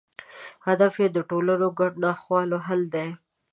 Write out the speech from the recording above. هدف یې د ټولنو ګډو ناخوالو حل دی.